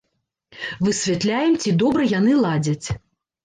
Высвятляем, ці добра яны ладзяць.